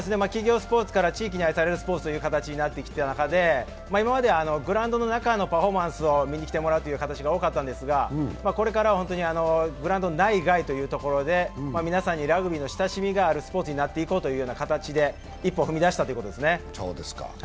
企業スポーツから地域に愛されるスポーツという形になってきた中で今まで、グラウンドの中でのパフォーマンスを見に来てもらうという機会が多かったんですがこれからはグラウンド内外で皆さんにラグビーの親しみがあるスポーツになっていこうという形で一歩を踏み出したということですね。